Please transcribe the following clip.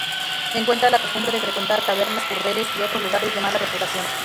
Encuentra la costumbre de frecuentar tabernas, burdeles y otros lugares de mala reputación.